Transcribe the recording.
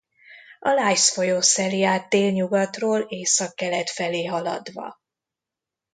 A Lys folyó szeli át délnyugatról északkelet felé haladva.